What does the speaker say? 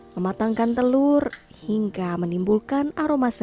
mematangkan telur hingga menimbulkan aroma sayur